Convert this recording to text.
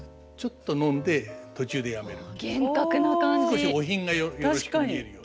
少しお品がよろしく見えるように。